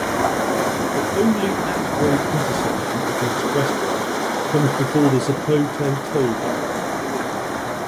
The only at-grade intersection of the expressway comes before the Zapote toll barrier.